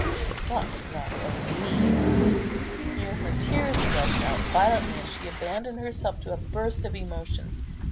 They thought not of me." Here her tears gushed out violently, and she abandoned herself to a burst of emotion.